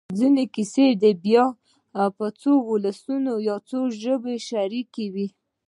ځينې کیسې بیا په څو ولسونو او څو ژبو کې شریکې وي.